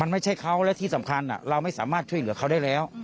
ไม่ใช่เขาและที่สำคัญเราไม่สามารถช่วยเหลือเขาได้แล้ว